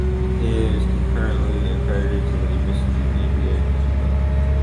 He is concurrently accredited to the Embassy of India in Cuba.